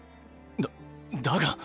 だだが。